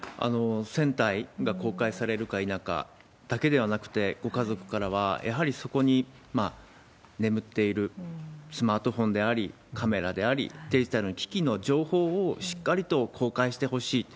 船体が公開されるか否かだけではなくて、ご家族からは、やはりそこに眠っているスマートフォンであり、カメラであり、デジタル機器の情報をしっかりと公開してほしい。